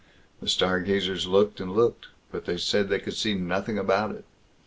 the Stargazers looked and looked, but they said they could see nothing about it.